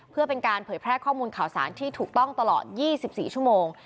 เพื่อเป็นการเผยแพร่ข้อมูลข่าวสารที่ถูกต้องตลอด๒๔ชั่วโมง